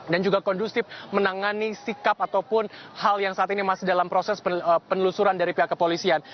dan juga kondusif menangani sikap ataupun hal yang saat ini masih dalam proses penelusuran dari pihak kepolisian